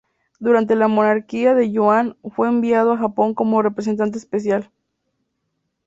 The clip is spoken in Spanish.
Durante la monarquía de Yuan, fue enviado a Japón como representante especial.